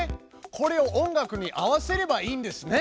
これを音楽に合わせればいいんですね。